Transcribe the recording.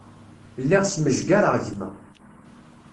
Lliɣ smejgareɣ gma.